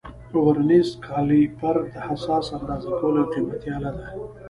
ورنیز کالیپر د حساس اندازه کولو یو قیمتي آله ده.